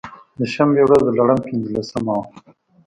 د شبې و رځ د لړم پنځلسمه وه.